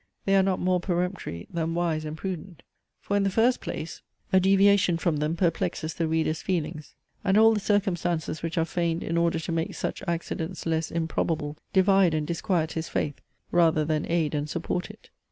They are not more peremptory, than wise and prudent. For in the first place a deviation from them perplexes the reader's feelings, and all the circumstances which are feigned in order to make such accidents less improbable, divide and disquiet his faith, rather than aid and support it.